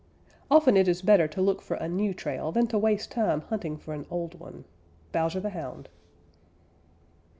Often it is better to look for a new trail than to waste time hunting for an old one. _Bowser the Hound.